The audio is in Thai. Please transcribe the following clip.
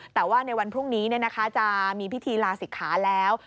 แต่ว่าในวันพรุ่งนี้จะมีพิธีลาศิกขาแล้ว